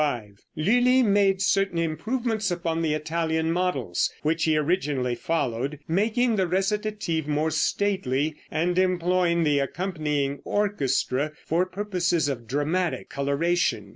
Lulli made certain improvements upon the Italian models, which he originally followed, making the recitative more stately, and employing the accompanying orchestra for purposes of dramatic coloration.